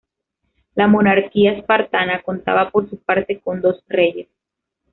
La monarquía espartana contaba, por su parte, con dos reyes.